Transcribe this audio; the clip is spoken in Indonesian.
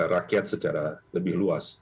rakyat secara lebih luas